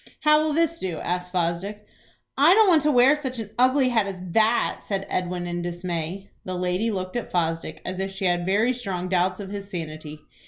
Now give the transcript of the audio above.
"How will this do?" asked Fosdick. "I don't want to wear such an ugly hat as that," said Edwin, in dismay. The lady looked at Fosdick as if she had very strong doubts of his sanity.